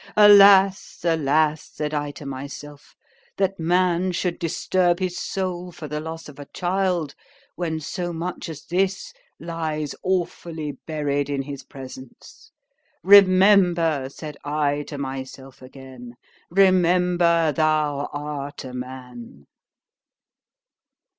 Alas! alas! said I to myself, that man should disturb his soul for the loss of a child, when so much as this lies awfully buried in his presence——Remember, said I to myself again—remember thou art a man."